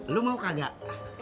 lu mau kagak